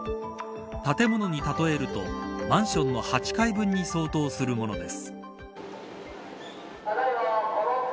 建物に例えるとマンションの８階分に相当するものです。